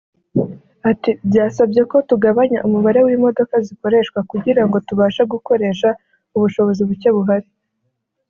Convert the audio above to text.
Ati “Byasabye ko tugabanya umubare w’imodoka zikoreshwa kugira ngo tubashe gukoresha ubushobozi buke buhari